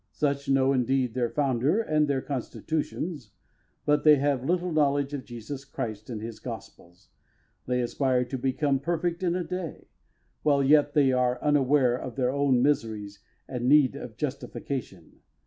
Such know indeed their Founder and their constitutions, but they have little knowledge of Jesus Christ and His gospels. They aspire to become perfect in a day, while yet they are unaware of their own miseries and need of justification.